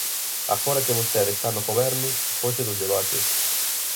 Agora que vostede está no Goberno, foxe dos debates.